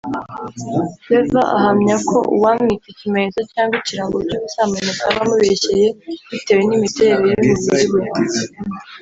Flavour ahamya ko uwamwita ikimenyetso cyangwa ikirango cy’ubusambanyi ataba amubeshyeye bitewe n’imiterere y’umubiri we